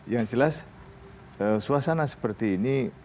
yang jelas suasana seperti ini